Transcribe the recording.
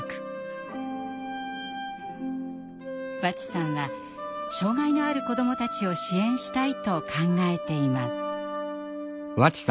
和智さんは障害のある子どもたちを支援したいと考えています。